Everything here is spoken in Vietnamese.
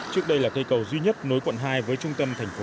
trước đây là cây cầu duy nhất nối quận hai với trung tâm thành phố